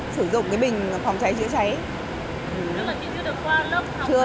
sử dụng cái bình phòng cháy chữa cháy